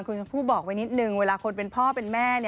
คุณชมพู่บอกไว้นิดนึงเวลาคนเป็นพ่อเป็นแม่